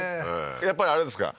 やっぱりあれですか？